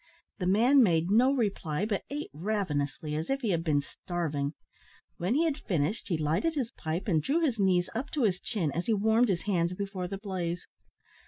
The man made no reply, but ate ravenously, as if he had been starving. When he had finished, he lighted his pipe, and drew his knees up to his chin as he warmed his hands before the blaze.